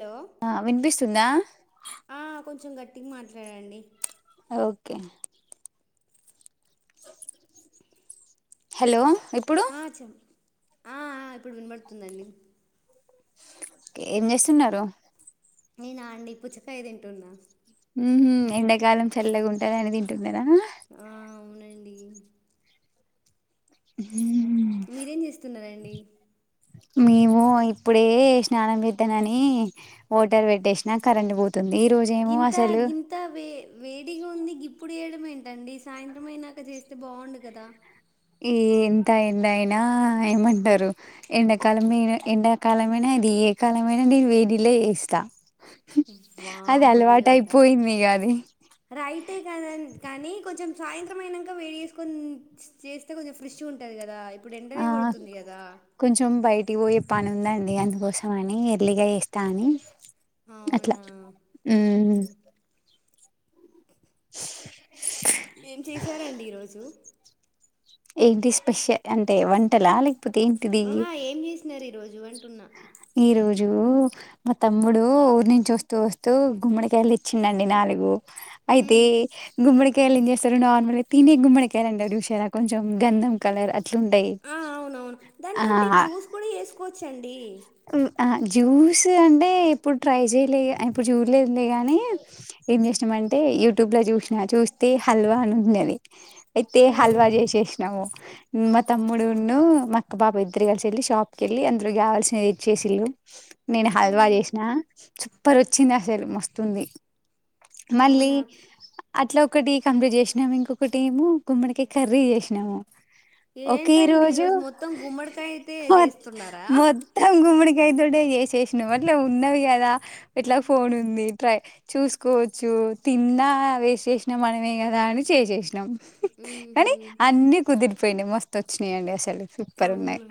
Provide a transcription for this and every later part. Hello ఆ వినిపిస్తుందా ఆ కొంచెం గట్టిగా మాట్లాడండి ఓకే హలో ఇప్పుడు ఆ చెం ఆ ఇప్పుడు వినబడుతుందండి ఏం చేస్తున్నారు నేనా అండి పుచ్చకాయ తింటున్నా ఉహుమ్ ఎండాకాలం చల్లగా ఉంటది అని తింటు అదేనా పెండి స మీరేం చేస్తున్నారండి మేము ఇప్పుడే స్నానం చెద్దానని వాటర్ పెట్టేసిన కరెంటు పోతు గింత గింత వే వే ఇగా ఉంది గిప్పుడు ఏయడ ఏంటండి సాయంత్రం అయినాక చేస్తే బాగుండు కదా ఏ ఎంత ఎండ అయినా ఏమంటరు ఎండాకాలం ఎండాకాలమైనా, అది ఏ కాలమైనా నేను వేడినిల్లే చేస్తా. అది వామ్మో అలవాటు దేవత అయిపోయింది ఇగ అది రైటే కాద కానీ కొంచెం సాయంత్రం అయినంక వేడి చేేసుకొని చేస్తే కొంచెం ఫ్రెష్ ఉంటది కదా. ఇప్పుడు ఆ ఎండనే కొడుతుంది కదా కొంచెం బయటికి పోయే పనుంది అం డి అందుకోసం అని ఎర్లీగా చేస్తా అని. అట్లా అవునా హ్ ఉమ్. ఏం చేశారండి ఈరోజు. ఏంటి స్పెషల్ అంటే వంటలా లే కపోతే ఏంటిది. ఆహా ఏం చేసినారు ఈరోజు అంటున్నా. ఈ రోజు మా తమ్ముడు ఊరు నుంచి వస్తూ వస్తూ గుమ్మడి కాయలు తెచ్చిండండి నాలుగు. అయితే ఉమ్, గుమ్మడి కాయలు ఎంచేస్తారు నార్మల్గా తినే గుమ్మడికాయలండి చూశారా కొంచెం గంధం కలర్ అట్లుంటాయి. ఆ అవునవును దాని తోటి జ్యూస్ కూడా చేసుకోవచ్చండి. హ్ ఆ జ్యూస్ అంటే ఎప్పుడు ట్రై చేయలే, ఇప్పుడు చూడలేదు. కానీ ఏంచేసినం అంటే యూట్యూబ్ లో చూసినా చూస్తే హల్వా అని ఉంన్నది. అయితే హల్వా ఉమ్, చేసేసినాము. మా తమ్ముడు ఉన్ను మా అక్కబాబు ఇద్దరు కలిసి వెళ్ళి షాప్కి వెళ్ళి అందులోకు కావాల్సినయి చేసిళ్ళు నేను ఉమ్, హల్వా ఉహు, చేసినా. సూపర్ వచ్చింది అసలు మస్తుంది. మళ్ళీ అవునా అట్లా ఒకటి కంప్లీట్ చేసినాము ఇంకొకటి ఏమో గుమ్మడి కాయ్ కర్రీ చేసినాము. ఒకే ఏంటండి రోజు ఈరోజు మొత్తం గుమ్మడికాయ అయితే చేస్తున్నారా. గుమ్మడికికాయితోటే చేసేసినం. అట్లే ఉన్నవి కదా ఎట్లా ఫోన్ ఉంది ట్రై చూసుకోవచ్చు. తిన్నా, వేస్ట్ చేసినా మనమే కదా అని చేసేసి నం. ఉహు, కానీ అన్ని కుదిరి ఫ్రెండ్ మస్తు వచ్చినయండి అసలు. సూపర్ ఉన్నాయి. అవునా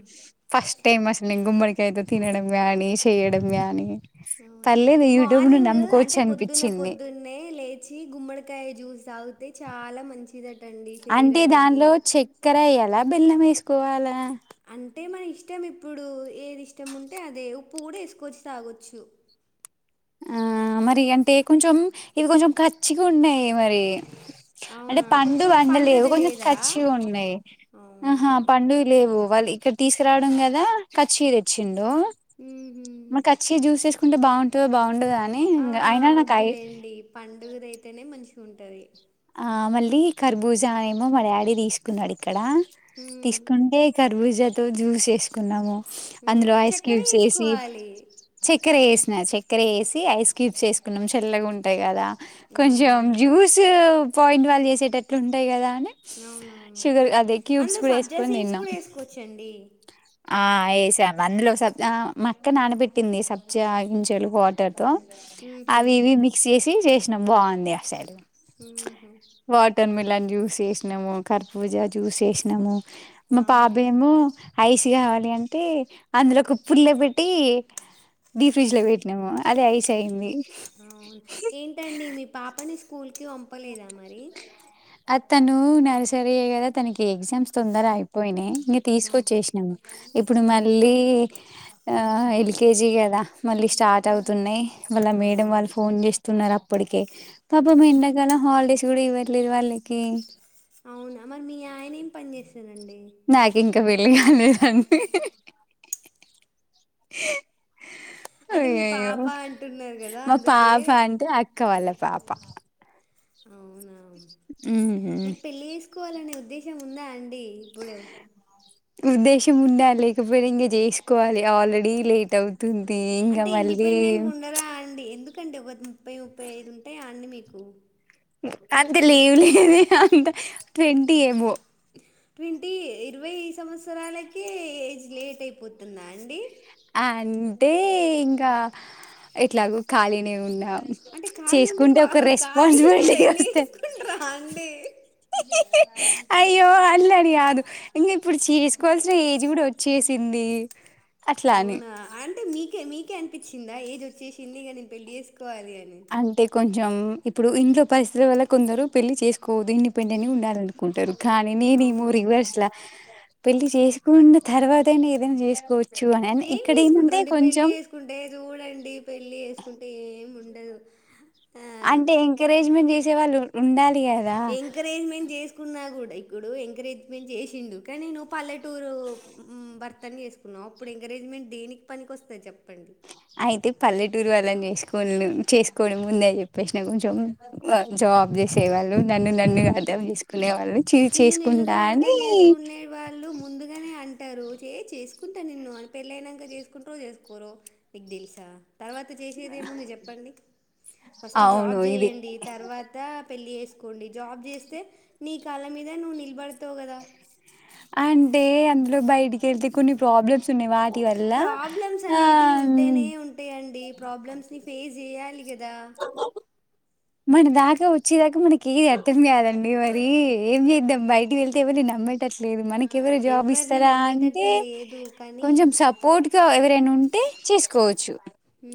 ఫస్ట్ టైమ్ అసలు నే గుమ్మడి కైతే తినడం కానీ, చేయడం కానీ. అవు మార్నింగ్ అంటే పొద్దున్న అనిపించింది పొద్దున్నే లేచి గుమ్మడికాయ జూస్ తాగు తే చాలా మంచిది అ అంటే దానిలో చక్కెర ఎయ్యా లా బెల్లం వేసుకోవాలా. అం అంటే మన ఇష్టం ఇప్పుడు ఏది ఇష్టం ఉంటే అదే ఉప్పు కూడా వేసుకొచ్చు తాగచ్చు ఆ మరి అంటే కొంచెం ఇది కొంచెం ఖచ్చిగా ఉన్నాయి మరి అంటే అవునా పండు కొంచెం వండలేవు పండేది కొంచెం లేదా కచ్చి ఉన్నాయి అవునా ఆహా పండు లేవు వాళ్ళు ఇక్కడ తీసుకురావడం కదా ఖర్చీర్ వచ్చింది లో మ్మ్హ్మ్. మ కచ్చూ అంటే బాంటే దా బాగుండదా ఆ వద్దులేండి పండుగద అయితేనే మంచి ఉంటది మళ్ళీ కర్బూజానేమో మా డాడీ తీసుకున్నాడు ఇక్కడ మ్మ్. తీసుకుంటే కర్బూజాతి తో జ్యూస్ చేసుకున్నాము ఉమ్ అందులో ఐస్ చక్కెర క్యూబ్స్ వేసి వేసుకోవాలి చక్కెర వేసిన చక్కెర వేసి ఐస్ క్యూబ్స్ వేసుకున్నాం చల్లగా ఉంటాయి కదా కొంచెం అవునవును జ్యూస్ పాయింట్ వాళ్ళు చేసేటట్లు ఉంటాయి కదా అవునవును షుగర్ అదే క్యూబ్స్ అందులో కూడా సబ్జా వేసుకొని సీడ్స్ తిన్నాం కూడా వేసుకోవచ్చండి ఆ వేసాం అందులో సబ్జా మా అక్క నానపెట్టింది సబ్జా గింజలు వాటర్తో మ్మ్హ్మ్. అవి ఇవి మిక్స్ చేసి చేసి బాగుంది ఆసైలు ఉహూ టర్మిలాన్ జ్యూస్ వేసినాము కరపూజ జ్యూస్ వేసినాము మా వామ్మోయ్ పాపేమో ఐస్ కావాలి అంటే అందులో కు పుల్ల పెట్టి డీప్ ఫ్రిడ్జ్లో పెట్టినాము అదే ఐస్ అయింది అవును ఏంటండి మీ పాపని స్కూల్ కి పంపలేదా మరి ఆ తను నర్సరీయే కదా తనకి ఎగ్జామ్స్ తొందర అయిపోయినాయి ఇంక ఆ. తీసుకొచ్చేసినాము ఇప్పుడు మళ్ళీ ఆ ఎల్కేజీ కదా మళ్ళీ స్టార్ట్ అవుతున్నాయి వాళ్ళ మేడం వాళ్ళు అవునా ఫోన్ చేస్తున్నారు అ ప్పటికే పాపం ఎండకి మళ్ళ హాలిడేస్ కూడా ఇవ్వట్లేదు వాళ్ళకి అవును అరి మీయా ఆయనే ఏం పని చెస్ నాకు ఇంకా పెళ్లి కాలేదండి అంటే మీ అయ్యయ్యో పాప అంటున్నారు కదా అందుకే క్కవళ్ళ పాప అవునా ఉమ్ కోవాలనే ఉద్దేశం ఉందా అని డి ఇప్పుడు ఉద్దేశం ఉన్నా లేకపోయినా ఇంకా చేసుకోవాలి ఆల్రెడీ లేట్ అవు తుంది ఇంగ మళ్ళీ ఎందుకండి ఒక ముప్పై ముప్పై ఐదు ఉంటాయి అన్ని మీకు అంతే లేవు లేదు అంత ట్వంటీ ఎబో ట్వంటీ ఇరవై సంవత్సరాలకే ఏజ్ లేట్ అయిపోతుందా అండి అంటే ఇంకా ఎట్లాగ ఖాళీనే ఉన్నా అంటే ఖాళీ ఉంటే చేసుకుంటే ఒక ఖాళీ ఉంటే రెస్పాన్సిబిలిటీ పెళ్ళి వస్తే చేసుకుంటారా అండి అయ్యో అల్లడి కాదు ఇంకా ఇప్పుడు చేసుకోవాల్సిన ఏజ్ కూడా వచ్చేసింది అట్లా అని అవునా ఆన్ అంటే మీకే మీకే అనిపించిందా ఏజ్ వచ్చేసింది ఇగ నేను పెళ్లి చే కోరి అని అంటే కొంచెం ఇప్పుడు ఇంట్లో పరిస్థితుల వల్ల కొందరు పెళ్లి చేసుకోవదు ఇండిపెండెంట్గా ఉండాలనుకుంటారు కానీ నీ ని అవును మురి వషలా పెళ్లి చేసుకున్న తర్వాతనా ఏదైనా చేసుకోవచ్చు అని ఏం ఇక్కడ ఏంటంటే చేసుకుంటారండి పెళ్లి కొంచెం చేసుకుంటే చూడండి పెళ్లి చేసుకుంటే ఏముండ అంటే ఎంకరేజ్మెంట్ చేసే వాళ్ళు ఉండాలి కదా ఎంకరేజ్మెంట్ చేసుకున్నా కూడా ఇప్పుడు ఎంకరేజ్మెంట్ చేసిండు కానీ నువ్వు పల్లెట్ పన్ని చేసుకున్నావు అప్పు ఎకరేజ్మెంట్ దేనికి పనికొస్తది చెప్ప అయితే పల్లెటూరు అలని చేస్త కొల్లం చేసుకోవడం ముందని చెప్పేసిన కొంచెం జాబ్ చేసేవాళ్ళు నన్ను నన్నుగా టైం తీసుకునే వాళ్ళు చే నిన్ను నిన్నుగా చేసుకుంటా అర్థం అని చేసుకునే వాళ్ళు ముందుగానే అంటారు చే చేసుకుంటా నిన్ను అని పెళ్ళ అయినంక చేసుకుంట్రో చేసుకోరో నీక్ తెల్సా తర్వాత చేసేదిముంది చెప్పండి ఫస్ట్ అవును జాబ్ ఇది చేయండి తర్వాత పెళ్లి చేసుకోండి జాబ్ చేస్తే నీ ఈ కాళ్ళ మీద నువ్ నిలబడతవ్ కదా. అంటే అందులో బయటికి వెళ్తే కొన్ని ప్రాబ్లమ్స్ త్తున్నయ్ వాటి వల్ల ఆ డి ప్రాబ్లమ్స్ ని ఫేస్ చేయాలి. గా మన దాకా వచ్చేదాకా మనకి ఏది అర్థం కాదండి మరి ఏం చేద్దాం బయటికి వెళ్తే ఎవరి నమ్మటట్లేదు మనక్ కెవరు జాబ్ ఎవరిని ఇస్తారా అంటే నమ్మేటట్టు లేదు కానీ కొంచెం సపోర్ట్గా ేన్ ఉంటే చేసుకోవచ్చు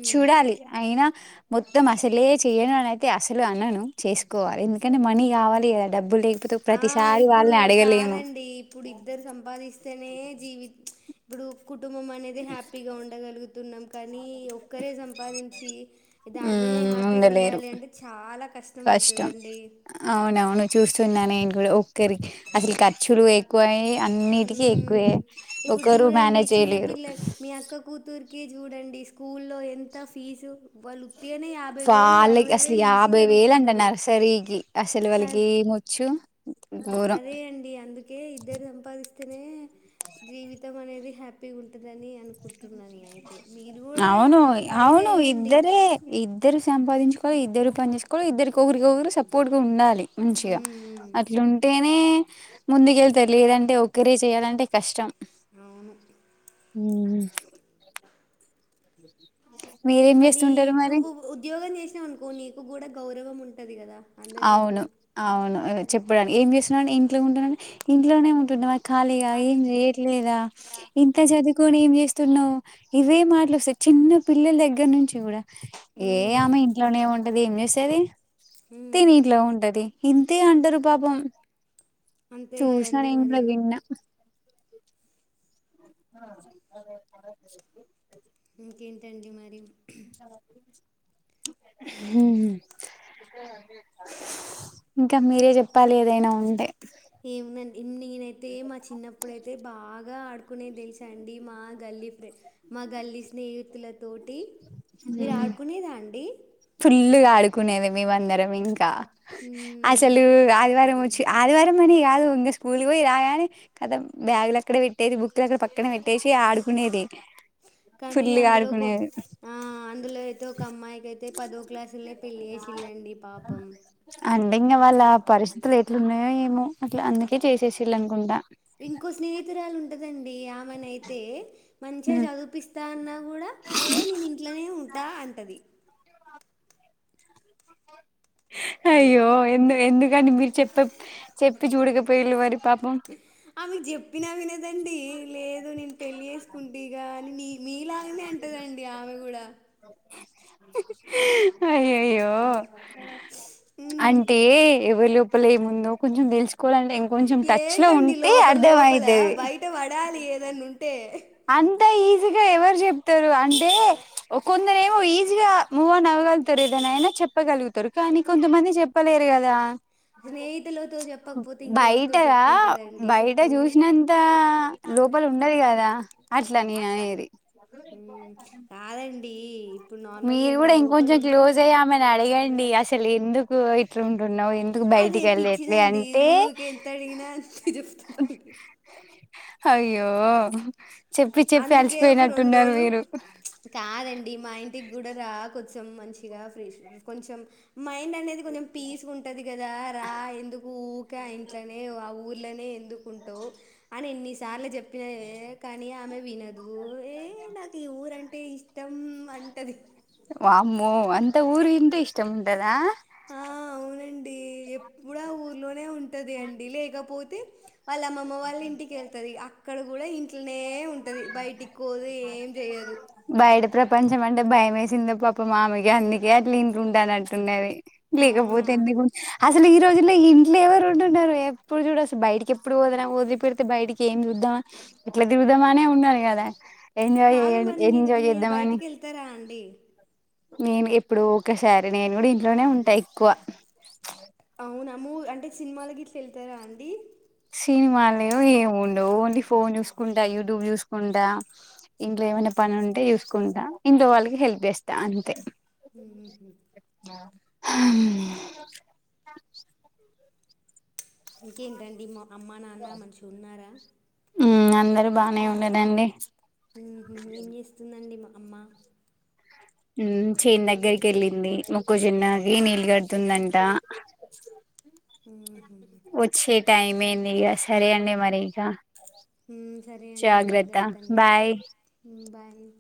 చూడాలి అయినా మొత్తం అసలేే చేయను అనన్ అయితే అసలు అనను చేసుకోవాల్ ఎందుకంటే మనీ కావాలిద డబ్బు లే ఆ ఇప్పుడు కాదండి ఇప్పుడు ఇద్దరు సంపాదిస్త్ స్తెనే జీవి ఇప్పుడు కుట్ టుంబం అనేది హ్యాపీగా ఉండగలుగు తున్నం కనీ ఒక్కరే సంపాదించి దాంట్లోనే ఉమ్ హ్యాపీగా ఉండలేరు ఉండాలి అంటే చాలా కష్టం కష్టమయితదండి. అవునవును చూస్తున్నా నేను ఒక్కరి అసలు ఖర్చు లు ఎక్కువయి అన్నిటికీ మ్మ్. ఎక్కువే ఇప్పుడు ఒకరు చూడండి మానేజ్ చేయలేరు. కే చూడండి స్కూల్లో ఎంత ఫీజు వాళ్ళు ఉత్తిగానే యాభై వేలు చాల్ అరవై అసలు వేలు యాభై ఈజీగా వేలు అంట అడుగుతున్నారు నర్సరీకి అసలు కా వాళ్ళకి ఏమోచ్చు అదే అండి అందుకే ఇద్దరు సంపాదిస్ అయితే నే జీవితం అనేది హ్యాపీగా ఉంటుందని అనుకుంటున్నా నేనయితే మీరు కూడా అవును ట్రై అవును చేయండి. ఇద్దరే ఇద్దరు సంపాదించుకోవాలి ఇద్దరు పని చేసుకోవాలి ఇద్దరు ఒకరికి ఒకరు సపోర్ట్గా ఉండాలి. మంచిగా ఉమ్, అట్లుంటేనే ముందుకెళ్తర్ లేదంటే ఒక్కరే చేయాలంటే కష్టం. అవును ఉ మీరేం మళ్ళీ చేస్తుంటారు మరి నువ్వు ఉద్యోగం చేస్ పెట్టినవనుకో నీకు కూడా గౌరవం ఉంటది. గదా అవును అవును చెప్పడానికి ఏం చేస్తున్నా, ఇంట్లో ఉంటానని ఇంట్లోనే ఉంటునావ ఖాళీగా ఏం చేయట్లేదా ఇంత చదువు పోని ఏం చేస్తున్నావు. ఇవే మాటలు వస్తాయి. చిన్న పిల్లల దగ్గర నుంచి కూడా ఏ ఉమ్, ఆమె ఇంట్లోనే ఉంటాది. ఏం చేస్తది. ఉమ్, తిని ఇంట్ల ఉంటది. ఇంతే అంటారు పాపం అంతే ట్యూషన్ కదండి మరి ఎంలే విన్న హ ఏంటడి. మరి హ్మ్ ఇంకా మీరే చెప్పాలి. ఏదైనా ఉంటే ఏమ్ముదండి. నేనైతే మా చిన్నప్పుడు అయితే బాగా బాగా ఆడుకునే తెలుసా అండి. మా గల్లీ ఫ్రెడ్ మా గల్లీ స్నేహితుల తోటి మీరు ఆడుకునేదా అండి. ఫుల్లు గా ఆడుకునేది మేమ అందరం ఇంకా మ్మ్. అసలు ఆదివారం ఆదివారం అని కాదు ఇంకా స్కూల్కి పోయి రాగానే కాతం బ్యాగులు అక్కడ పెట్టేది బుక్కులు అక్కడ పక్కన పెట్టేసి ఆడుకునేది. కానీ ఫుల్ గా అందులో కొ ఆడుకునేది. ఆ, అందులో అయితే ఒక అమ్మాయికి అయితే పదో క్లాసుళ్లే పెళ్ళి చేసిళ్ళండి పాపం. అంటే ఇంకా వాళ్ళ ఆ పరిస్థితులు ఎట్లున్నాయో ఏమో అట్లా అందుకే చేసేసిళ్ళు అనుకుంటా ఇంకో స్నేహితురాలు ఉంటదండి. ఆమే నా అయితే మంచిగా చదివిపిస్తా అన్నా కూడా ఏ నేను ఇంట్లనే ఉం అంటది. హలో అయ్యో ఎందు ఎందుక్ కానీ మీరు చెప్ చెప్పి చూడకపోయింళ్ళు మరి పాపం ఆమెకు చెప్పినా వినదండి. లేదు నేను పెళ్ళి చేసుకుంటా ఇగా అని నీ మీలాగనే అంటదండి ఆమె కూడా అయ్యయ్యో ఉమ్ అంటే ఎవలి లోపల ఏముందో కొంచం తెలుసు ఏంటండి లోపల అర్థం లోపల అయితది బయట పడాలి ఏదన్న ఉంటే. అంతా ఈజీగా ఎవరు చెప్తరు అంటే కొందర ఏమో ఈజీగా మూవ్ అన్ అవ్వగలుగుతారు ఏదనా అయినా చెప్పగలుగుతారు కానీ కొంతమంది చెప్పలేరు కదా. స్నేహితులతో చెప్పకపోతే బయట ఇంకెవరితో రా చెప్పుకుంటదండి బయట చెప్పండి చూసినంత లోపల ఉండది కదా. అట్లా నేననేది. ఈ మీరు కూడా ఇంకొంచం క్లోజ్ అయ్యి ఆమెని అడిగండ్ ండి అసలు ఎందుకు ఇట్లాంటున్ న్నవ్ ఎందుకు అదే బయటికి వెళ్ళేట్లే పిచ్చిదండి అంటే ఊకె ఎంత అడిగినా అంతే చెప్తదండి అయ్యో చెప్పి చెప్పి అందుకే ఒక రెండు అలసిపోయినట్టున్నారు రోలు మీరు కాదండి మా ఇట్ ంటి గూడ రా కొంచెం మంచిగా ఫ్ర కొంచెం మైండ్ అనేది ది కొంచెం పీస్ ఉంటది కదా రా ఎందుకు ఊకా ఆ ఇంట్లోనే ఆ ఊరి ట్లనే ఎందుకుంటవు అని ఎన్ని సార్లు చెప్ ఏ కనీ అమె వినద్ దు ఏ నాకి ఊరం ంటే ఇష్టం అంటది. వామ్మో అంత ఊరంటే ఇష్ ష్టం ఉండదా ఆ అవునండి ఎప్పుడా ఆ ఊర్లోనే ఉం ంటదండి లేకపోతే వాళ్ళ అమ్మమ్ మ్మ వాళ్ళ ఇంటికి వెళ్తది అ అక్కడ కూడా ఇం ట్లనే ఉంటది బయటికి పోదు ఏం చేయదు. పంచం అంటే భయం వేసిందో పాపమామెకి అందుకే అట్లా ఇంట్లో ఉంటానట్టున్నది. లేకపోతే అవునా ఎందుకు అస్ అసలు ఈ రోజుల్లో ఇంట్లే ఎవరుంటున్నరు ఎప్పుడు చూడు అసలు బయటికి ఎప్పుడు వదల వదిలి పెడితే బయటికి ఏం చూద్దామా ఇట్లా దిగుదామని ఉన్నది కదా ఎంజాయ్ కాదు మరి మీరు ఎంజాయ్ మీరు చేద్దామని బయటికి వెళ్తారా అండి. నేను ఎప్పుడోకసారి నేను కూడా ఇంట్లోనే ఉంటా ఎక్కువ. అవునా మూవీస్ అంటే సినిమాల గిట్ల వెళ్తారా అండి. సినిమాల్లేవ్ ఏం ఉండవు ఓన్లీ ఫోన్ చూసుకుంటా యూట్యూబ్ చూసుకుంటా ఇంట్లో ఏమైనా పని ఉంటే చూసుకుంటా ఇంట్లో వాళ్ళకి హెల్ప్ చేస్తా అంతే. ఊహు హ అవునా ఇంకేంటండి మామ్ అమ్మ నాన్న మంచిగున్నారా. ఉమ్ అందరు బానే ఉన్నరండి. ఊహూ ఏం జేస్తుందండి మ అమ్మ ఉమ్ చైన్ దగ్గరికెళ్ళింది మొక్కుజొన్న కి నీ గడ్డుందంట ఉమ్ హు వొచ్చే టైమైందిగ సరే అండి మరి ఇక. ఊమ్ సరే అండి జాగ్రత్త జాగ్రత్తండి బాయ్ బాయ్ ఉమ్ బాయ్. ఉమ్